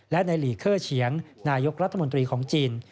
และในหลีเคอร์เฉียงนายกรัฐมนตรีของจีน